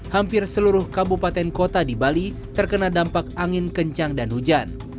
hampir seluruh kabupaten kota di bali terkena dampak angin kencang dan hujan